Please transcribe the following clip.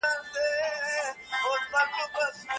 دولت باید د جګړي پر مهال د خلکو سره مرسته وکړي.